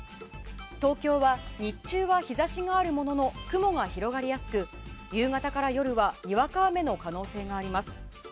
東京は日中は日差しがあるものの雲が広がりやすく、夕方から夜はにわか雨の可能性があります。